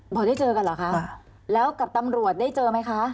พอได้เจอกันเหรอคะแล้วกับตำรวจได้เจอไหมคะ